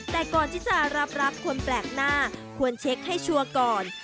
แต่ก่อนที่จะรับรักคนแปลกหน้าควรเช็คให้ชัวร์ก่อน